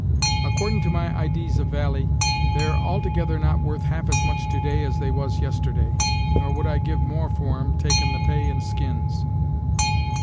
"Accordin' to my idees of valie, they're altogether not worth half as much to day as they was yesterday, nor would I give more for 'em, taking the pay in skins."